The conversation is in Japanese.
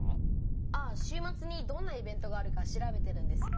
あ週末にどんなイベントがあるか調べてるんです。